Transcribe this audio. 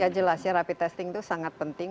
ya jelasnya rapid testing itu sangat penting